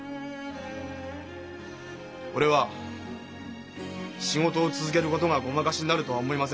俺は仕事を続けることがごまかしになるとは思いません。